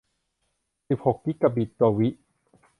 สิบหกกิกะบิตต่อวิ